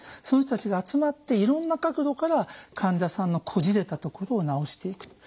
その人たちが集まっていろんな角度から患者さんのこじれたところを治していく。